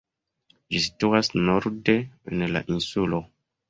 Ĝi situas norde en la insulo.